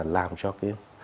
làm cho cái